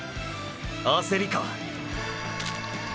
“焦り”か？